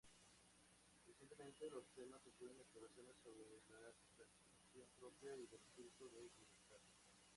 Recientemente, los temas incluyen exploraciones sobre la percepción propia y el espíritu de libertad.